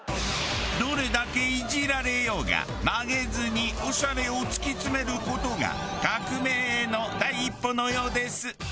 どれだけイジられようが曲げずにオシャレを突き詰める事が革命への第一歩のようです。